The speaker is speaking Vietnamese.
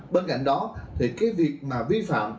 bên cạnh đó thì cái việc mà vi phạm